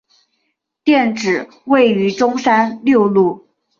店址位于中山六路。